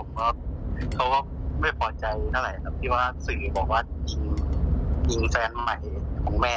เขาก็ไม่พอใจเท่าไหร่ครับที่ว่าสื่อบอกว่ายิงแฟนใหม่ของแม่